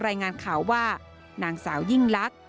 รายงานข่าวว่านางสาวยิ่งลักษณ